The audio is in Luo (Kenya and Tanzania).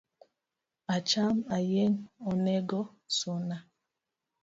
Acham ayiengne onego suna